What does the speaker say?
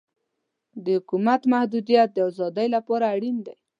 د حکومت محدودیت د ازادۍ لپاره اړین دی.